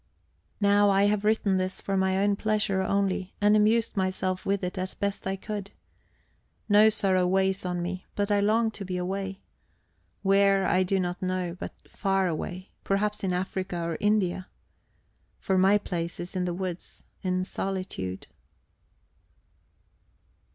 Now I have written this for my own pleasure only, and amused myself with it as best I could. No sorrow weighs on me, but I long to be away where, I do not know, but far away, perhaps in Africa or India. For my place is in the woods, in solitude...